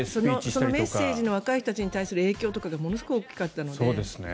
そのメッセージの若い人たちへの影響とかがものすごく大きかったので。